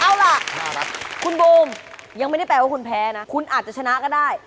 เอาล่ะคุณบูมยังไม่ได้แปลว่าคุณแพ้นะคุณอาจจะชนะก็ได้